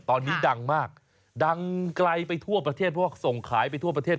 ตอนนี้ดังมากดังไกลไปทั่วประเทศเพราะว่าส่งขายไปทั่วประเทศ